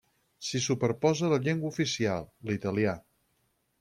S'hi superposa la llengua oficial, l'italià.